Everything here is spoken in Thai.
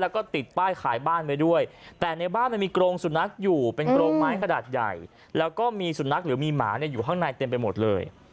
แล้วก็มีสุลนักหรือมีหมาอยู่ข้างในเต็มไปหมดเลย